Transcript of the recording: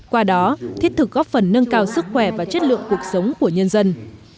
qua đó thiết thực góp phần nâng cao sức khỏe và chất lượng cuộc sống của nhân dân